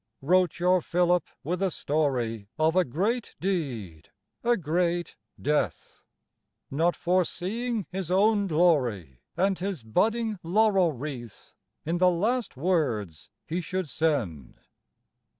Wrote your Philip, with a story Of a great deed, a great death Not foreseeing his own glory And his budding laurel wreath In the last words he should send.